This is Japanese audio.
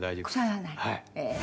「腐らない？」